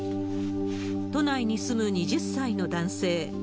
都内に住む２０歳の男性。